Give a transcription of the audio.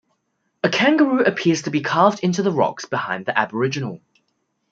A kangaroo appears to be carved into the rocks behind the Aboriginal.